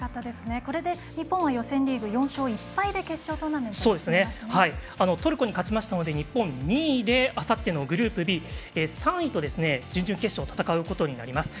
これで日本は予選リーグ４勝１敗でトルコに勝ちましたので日本２位であさっての、グループＢ３位と準々決勝を戦うことになります。